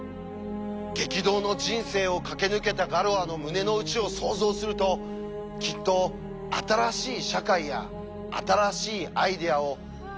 激動の人生を駆け抜けたガロアの胸の内を想像するときっと新しい社会や新しいアイデアをとにかく作り上げて広めたい！